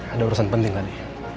ada urusan penting tadi